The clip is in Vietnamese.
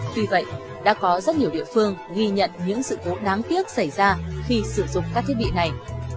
tuy vậy đã có rất nhiều địa phương ghi nhận những sự cố đáng tiếc xảy ra khi sử dụng các thiết bị này